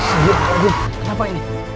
astaga aduh kenapa ini